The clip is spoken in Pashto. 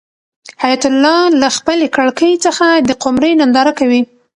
حیات الله له خپلې کړکۍ څخه د قمرۍ ننداره کوي.